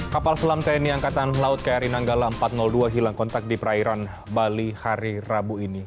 kapal selam tni angkatan laut kri nanggala empat ratus dua hilang kontak di perairan bali hari rabu ini